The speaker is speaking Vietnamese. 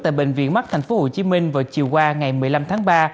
tại bệnh viện mắt tp hcm vào chiều qua ngày một mươi năm tháng ba